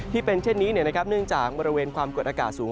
ที่เป็นเช่นนี้เนื่องจากบริเวณความกดอากาศสูง